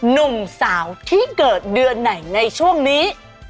หนุ่มสาวที่เกิดเดือนไหนในช่วงนี้